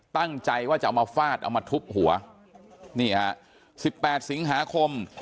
ตั้งใจว่าจะเอามาฟาดเอามาทุบหัวนี่ฮะสิบแปดสิงหาคม